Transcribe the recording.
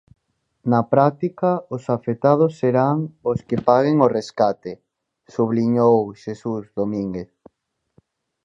"Na práctica, os afectados serán os que paguen o rescate", subliñou Xesús Domínguez.